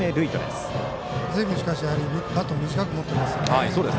しかし、ずいぶんバットを短く持っていますね。